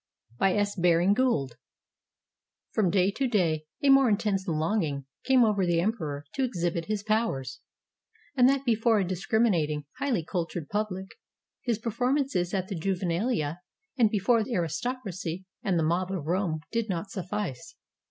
] BY S. BARING GOULD From day to day a more intense longing came over the emperor to exhibit his powers, and that before a dis criminating, highly cultured public. His performances at the JuvenaHa, and before the aristocracy and the mob of Rome did not suffice.